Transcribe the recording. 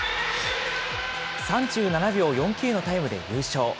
３７秒４９のタイムで優勝。